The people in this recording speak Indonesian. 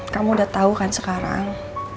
kamu udah tahu kan sekarang